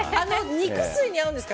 肉吸いに合うんですか？